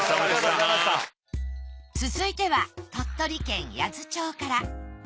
続いては鳥取県八頭町から。